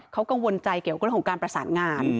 เขากังวลใจเกี่ยวกับการประสานงาน